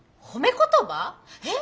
えっ？